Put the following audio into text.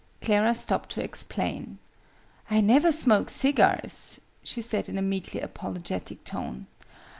Clara stopped to explain. "I never smoke cigars," she said in a meekly apologetic tone.